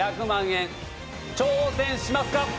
１００万円挑戦しますか？